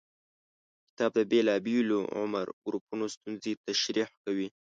کتاب د بېلابېلو عمر ګروپونو ستونزې تشریح کوي.